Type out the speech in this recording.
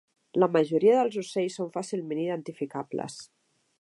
La majoria dels ocells són fàcilment identificables.